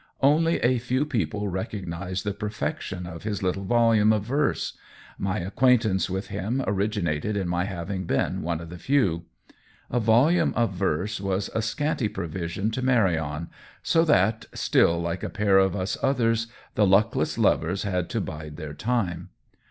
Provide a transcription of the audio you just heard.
Only a few peo ple recognized the perfection of his little volume of verse ; my acquaintance with him originated in my having been one of the few. A volume of verse was a scanty provision to marry on, so that, still like a pair of us others, the luckless lovers had to bide their time.